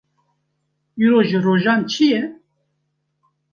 Îro ji rojan çi ye?